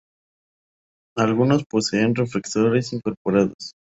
Algunos poseen reflectores incorporados.